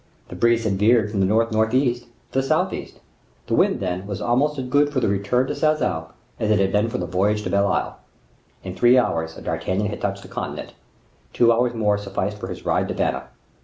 The breeze had veered from the north north east to the south east; the wind, then, was almost as good for the return to Sarzeau, as it had been for the voyage to Belle Isle. In three hours D'Artagnan had touched the continent; two hours more sufficed for his ride to Vannes.